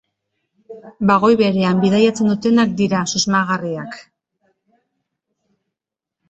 Bagoi berean bidaiatzen dutenak dira susmagarriak.